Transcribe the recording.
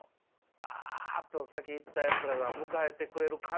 わっと先行ったやつらが迎えてくれる感じ。